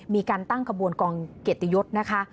มีการตั้งขบวนกองเกียรติยศนะคะ